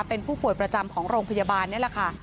เป็นผู้ป่วยประจำของโรงพยาบาลนี่แหละค่ะ